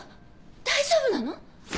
大丈夫なの！？